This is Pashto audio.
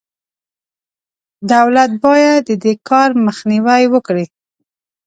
دولت باید د دې کار مخنیوی وکړي.